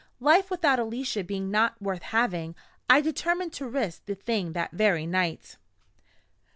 Life without Alicia being not worth having, I determined to risk the thing that very night.